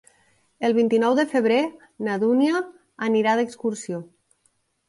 El vint-i-nou de febrer na Dúnia anirà d'excursió.